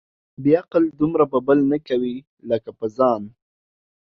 بې عقل دومره په بل نه کوي ، لکه په ځان.